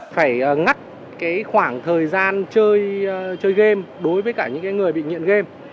phải ngắt khoảng thời gian chơi game đối với cả những người bị nghiện game